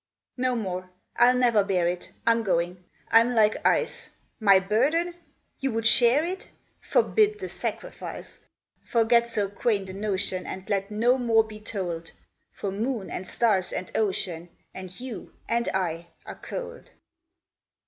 "No more I'll never bear it. I'm going. I'm like ice. My burden? You would share it? Forbid the sacrifice! Forget so quaint a notion, And let no more be told; For moon and stars and ocean And you and I are cold."